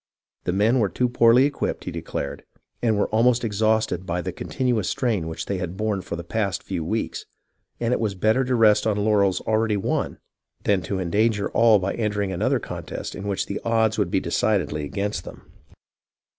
The men were too poorly equipped, he declared, and were almost exhausted by the continuous strain which they had borne for the past few weeks, and it was better to rest on laurels already won than to endanger all by entering another contest in which the odds would be decidedly against them.